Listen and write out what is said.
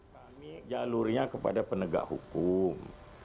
kami jalurnya kepada penegak hukum